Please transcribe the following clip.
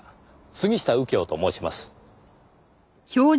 杉下右京と申します。